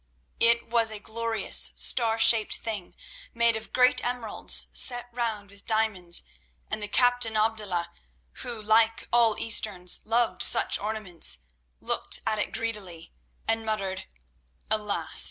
It was a glorious star shaped thing, made of great emeralds set round with diamonds, and the captain Abdullah, who like all Easterns loved such ornaments, looked at it greedily, and muttered: "Alas!